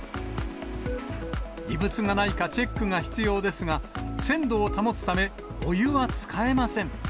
異物がないかチェックが必要ですが、鮮度を保つため、お湯は使えません。